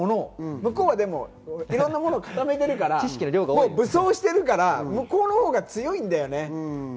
向こうはいろんなものを固めてるから、武装してるから強いんだよね。